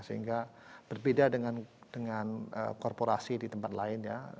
sehingga berbeda dengan korporasi di tempat lain ya